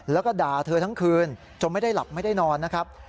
แล้วก็ด่าเธอทั้งคืนจนไม่ได้หลับไม่ได้นอนนะครับ